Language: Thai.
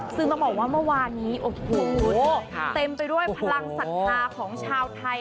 ซึ่งต้องบอกว่าเมื่อวานนี้โอ้โหเต็มไปด้วยพลังศรัทธาของชาวไทย